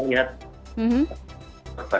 jadi kita lihat